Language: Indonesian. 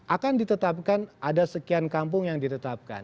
akan ditetapkan ada sekian kampung yang ditetapkan